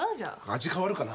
味変わるかな？